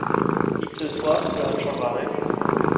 qui que ce soit, cela ne changera rien du tout.